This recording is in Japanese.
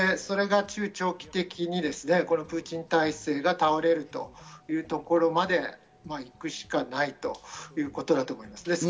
中長期的にプーチン体制が倒れるというところまで行くしかないということだと思います。